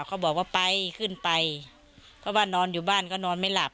เขาบอกว่าไปขึ้นไปเพราะว่านอนอยู่บ้านก็นอนไม่หลับ